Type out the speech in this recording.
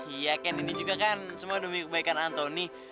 iya ken ini juga kan semua demi kebaikan anthony